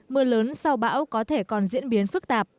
mưa lớn sau bão có thể còn diễn biến phức tạp